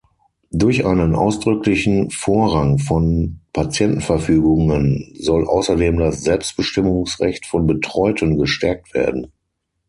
Durch einen ausdrücklichen Vorrang von Patientenverfügungen soll außerdem das Selbstbestimmungsrecht von Betreuten gestärkt werden.